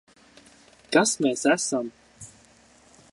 Kas mēs esam?